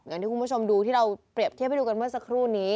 อย่างที่คุณผู้ชมดูที่เราเปรียบเทียบให้ดูกันเมื่อสักครู่นี้